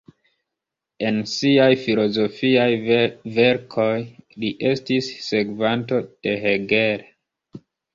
En siaj filozofiaj verkoj li estis sekvanto de Hegel.